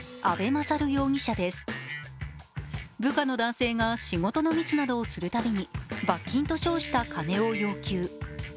部下の男性が仕事のミスなどをするためびに罰金と称した金を要求。